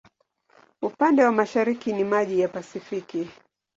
Upande wa mashariki ni maji ya Pasifiki.